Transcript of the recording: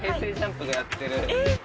ＪＵＭＰがやってる。